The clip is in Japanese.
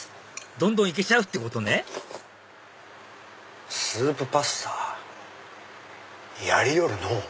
どんどんいけちゃうってことねスープパスタやりよるのう。